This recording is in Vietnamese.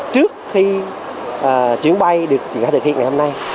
trước khi chuyến bay được triển khai thực hiện ngày hôm nay